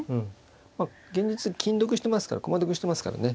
まあ現実金得してますから駒得してますからね。